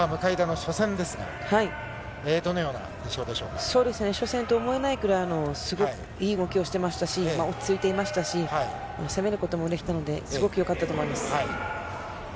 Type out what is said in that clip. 初戦と思えないくらいいい動きをしていましたし、落ち着いていましたし、攻めることもできていたのでよかったと思います。